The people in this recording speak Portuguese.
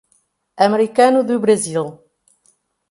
Americano do Brasil